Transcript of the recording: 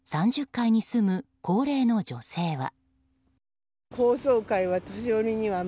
３０階に住む高齢の女性は。